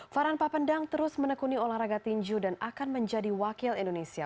farhan papendang terus menekuni olahraga tinju dan akan menjadi wakil indonesia